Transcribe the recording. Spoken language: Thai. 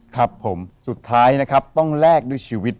ครับผมสุดท้ายนะครับต้องแลกด้วยชีวิต